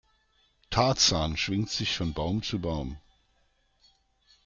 Tarzan schwingt sich von Baum zu Baum.